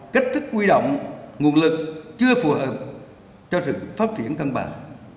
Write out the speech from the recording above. kết thức quy động nguồn lực chưa phù hợp cho sự phát triển căn bản